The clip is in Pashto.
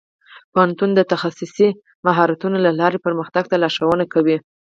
پوهنتون د تخصصي مهارتونو له لارې پرمختګ ته لارښوونه کوي.